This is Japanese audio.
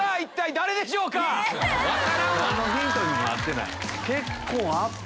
何のヒントにもなってない。